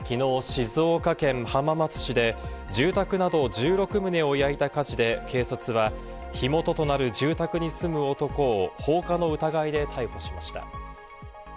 静岡県浜松市で住宅など１６棟を焼いた火事で、警察は火元となる住宅に住む男を放火の疑いで逮捕しました。